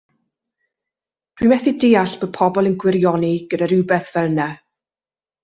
Dw i methu deall bod pobol yn gwirioni gyda rhywbeth fel 'na.